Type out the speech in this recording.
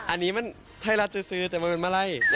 อันนี้มันไทยรัฐจะซื้อแต่มันเป็นมาไล่